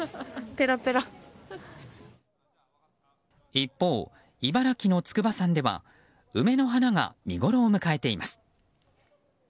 一方、茨城の筑波山では梅の花が見ごろを迎えています。